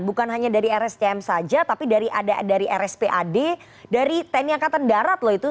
bukan hanya dari rscm saja tapi dari rspad dari tni angkatan darat loh itu